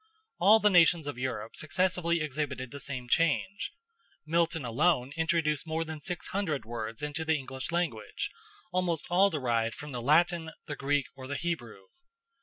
All the nations of Europe successively exhibited the same change. Milton alone introduced more than six hundred words into the English language, almost all derived from the Latin, the Greek, or the Hebrew.